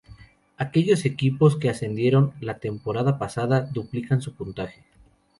Aquellos equipos que ascendieron la temporada pasada, duplican su puntaje.